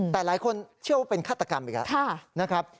แต่หลายคนเชื่อว่าเป็นฆาตกรรมอีกแล้วนะครับ